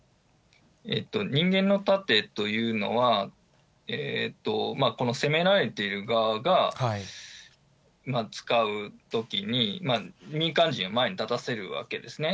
人間の盾というのは、この攻められている側が、使うときに、民間人を前に立たせるわけですね。